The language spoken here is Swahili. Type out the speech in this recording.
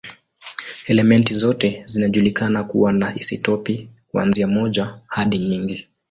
Elementi zote zinajulikana kuwa na isotopi, kuanzia moja hadi nyingi.